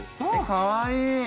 かわいい！